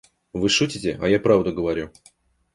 Вы шутите, а я правду говорю.